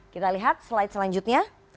kita lihat slide selanjutnya